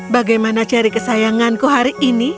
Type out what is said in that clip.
bagaimana cari kesayanganku hari ini